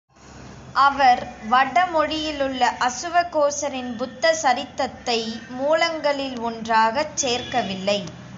அவர் வடமொழியிலுள்ள அசுவகோசரின் புத்த சரிதத்தை மூலங்களில் ஒன்றாகச் சேர்க்கவில்லை.